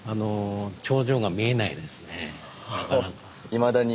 いまだに。